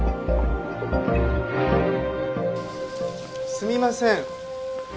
すみません。